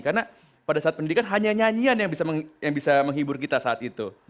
karena pada saat pendidikan hanya nyanyian yang bisa menghibur kita saat itu